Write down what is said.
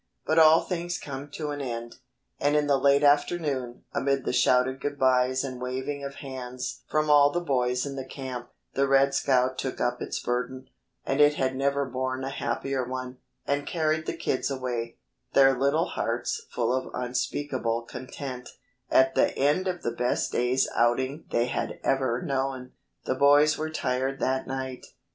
But all things come to an end, and in the late afternoon, amid the shouted good byes and waving of hands from all the boys in the camp, the "Red Scout" took up its burden and it had never borne a happier one and carried the kids away, their little hearts full of unspeakable content, at the end of the best day's outing they had ever known. The boys were tired that night.